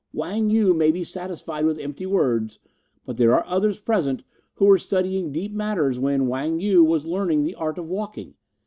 Wang Yu may be satisfied with empty words, but there are others present who were studying deep matters when Wang Yu was learning the art of walking.